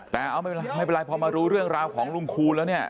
แต่เอาไม่เป็นไรพอมารู้เรื่องราวของลุงคูณแล้วเนี่ย